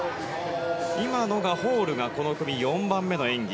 今のがホールがこの組４番目の演技。